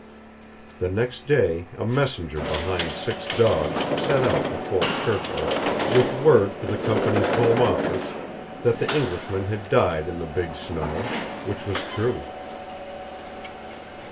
The next day a messenger behind six dogs set out for Fort Churchill, with word for the company's home office that the Englishman had died in the big snow which was true.